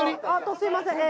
すいませんえ。